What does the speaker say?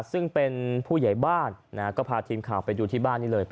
ซึ่งเป็นผู้ใหญ่บ้านก็พาทีมข่าวไปดูที่บ้านนี่เลย